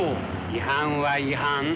違反は違反。